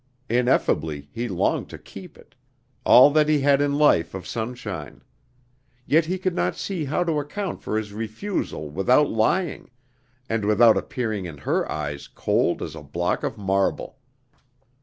Ineffably he longed to keep it all that he had in life of sunshine. Yet he could not see how to account for his refusal without lying, and without appearing in her eyes cold as a block of marble.